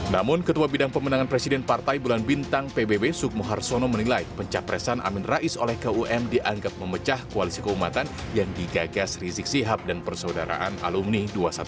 namun ketua bidang pemenangan presiden partai bulan bintang pbb sukmo harsono menilai pencapresan amin rais oleh kum dianggap memecah koalisi keumatan yang digagas rizik sihab dan persaudaraan alumni dua ratus dua belas